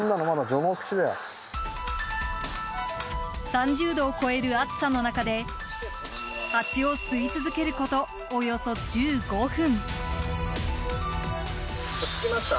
３０度を超える暑さの中でハチを吸い続けることおよそ１５分。